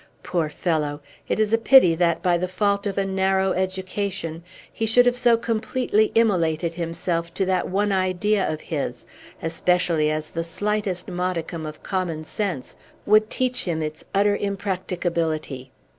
Poor fellow! It is a pity that, by the fault of a narrow education, he should have so completely immolated himself to that one idea of his, especially as the slightest modicum of common sense would teach him its utter impracticability.